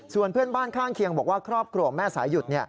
ส่วนเพื่อนบ้านข้างเคียงบอกว่าครอบครัวแม่สายหยุด